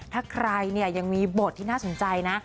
ถ้าใครเนี่ยยังมีบทที่น่าสนใจนะ